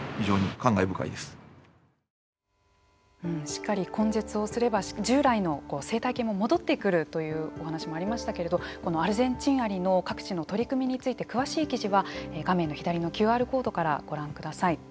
しっかり根絶をすれば従来の生態系も戻ってくるというお話もありましたけれどもこのアルゼンチンアリの各地の取り組みについて詳しい記事は画面の左のＱＲコードからご覧ください。